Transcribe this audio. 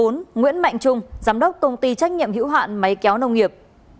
bốn nguyễn mạnh trung giám đốc công ty trách nhiệm hữu hạn máy kéo nông nghiệp